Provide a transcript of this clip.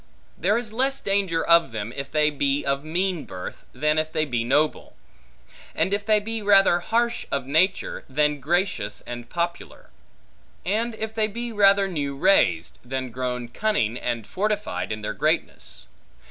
There is less danger of them, if they be of mean birth, than if they be noble; and if they be rather harsh of nature, than gracious and popular: and if they be rather new raised, than grown cunning, and fortified, in their greatness.